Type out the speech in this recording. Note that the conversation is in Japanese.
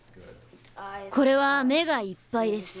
これは「目がいっぱい」です。